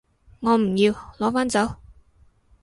我唔要，攞返走